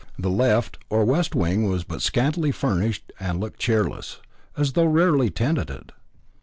The left or west wing was but scantily furnished and looked cheerless, as though rarely tenanted.